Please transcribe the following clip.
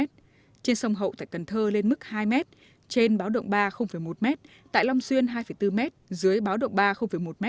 trên sông hậu tại cần thơ lên mức hai m trên báo động ba một m tại long xuyên hai bốn m dưới báo động ba một m